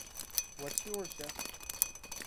What's yours, Jeff?